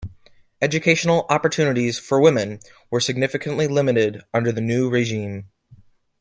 Educational opportunities for women were significantly limited under the new regime.